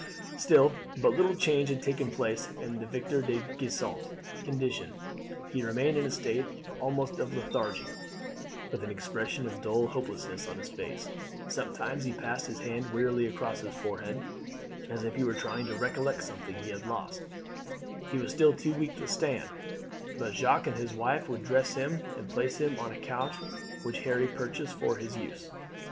Still but little change had taken place in Victor de Gisons' condition. He remained in a state almost of lethargy, with an expression of dull hopelessness on his face; sometimes he passed his hand wearily across his forehead as if he were trying to recollect something he had lost; he was still too weak to stand, but Jacques and his wife would dress him and place him on a couch which Harry purchased for his use.